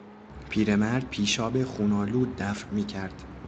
پیرمرد پیشاب خون آلود دفع میکرد.